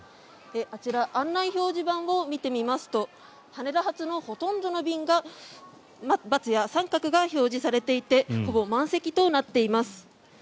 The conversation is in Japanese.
あちら、案内表示盤を見てみますと羽田発のほとんどの便が×や△が表示されていてほぼ満席となっています。